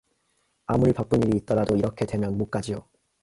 아무리 바쁜 일이 있더라도 이렇게 되면 못 가지요.